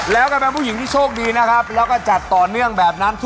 แล้วก็แปลงผู้หญิงที่โชคดีนะครับ